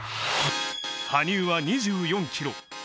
羽生は２４キロ。